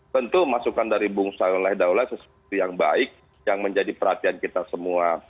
tentu masukan dari bung saileh daulah sesuatu yang baik yang menjadi perhatian kita semua